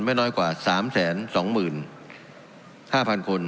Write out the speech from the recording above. ไม่น้อยกว่า๓๒๕๐๐๐คน